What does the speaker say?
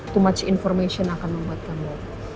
too much information akan membuat kamu